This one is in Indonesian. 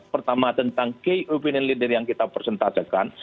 pertama tentang key opinion leader yang kita persentasekan